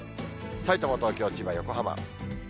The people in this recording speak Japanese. さいたま、東京、千葉、横浜。